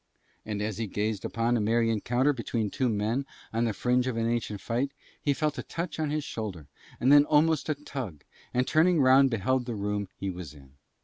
And as he gazed upon a merry encounter between two men on the fringe of an ancient fight he felt a touch on his shoulder and then almost a tug, and turning round beheld the room he was in.